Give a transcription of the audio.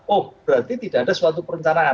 oh berarti tidak ada suatu perencanaan